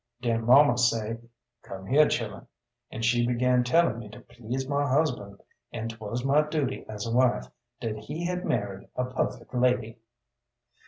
Den muma said "Come here chillun," and she began tellin' me to please my husband, an' 'twas my duty as a wife, dat he had married a pu'fect lady.